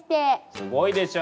すごいでしょ。